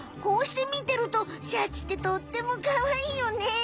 こうして見てるとシャチってとってもかわいいよね。